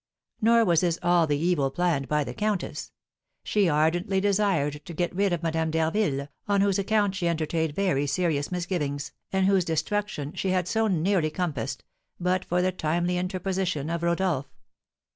Nor was this all the evil planned by the countess; she ardently desired to get rid of Madame d'Harville, on whose account she entertained very serious misgivings, and whose destruction she had so nearly compassed, but for the timely interposition of Rodolph.